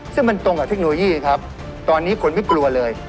ซึ่งมันตรงกับเทคโนโลยีครับตอนนี้คนไม่กลัวเลย